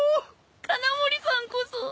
鉄穴森さんこそ。